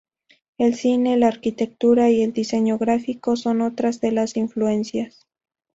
El cine, la arquitectura y el diseño gráfico son otras de las influencias.